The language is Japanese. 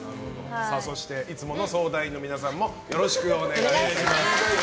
そしていつもの相談員の皆さんもよろしくお願いします。